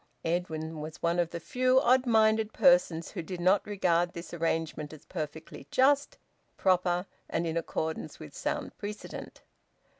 Edwin was one of a few odd minded persons who did not regard this arrangement as perfectly just, proper, and in accordance with sound precedent.